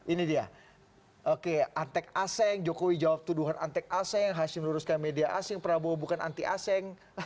ini dia oke antek aseng jokowi jawab tuduhan antek aseng hashim luruskan media asing prabowo bukan anti aseng